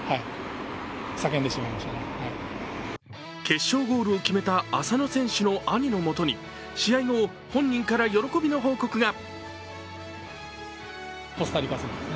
決勝ゴールを決めた浅野選手の兄のもとに試合後、本人から喜びの報告が。